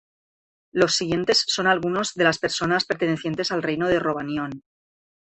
Los siguientes son algunos de las personas pertenecientes al reino de Rhovanion.